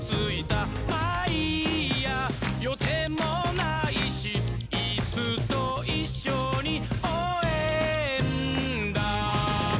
「まぁいいや予定もないしイスといっしょにおうえんだ！」